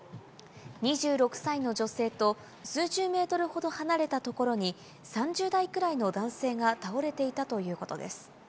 ２６歳の女性と数十メートルほど離れたところに３０代くらいの男性が倒れていたということです。